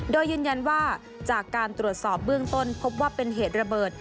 โดยยืนยันว่าจากการตรวจสอบเบื้องต้นพบว่าเป็นเหตุระเบิด